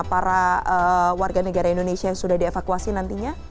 para warga negara indonesia yang sudah dievakuasi nantinya